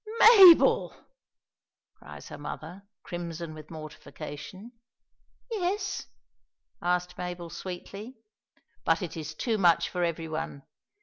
"Mabel!" cries her mother, crimson with mortification. "Yes?" asked Mabel, sweetly. But it is too much for every one.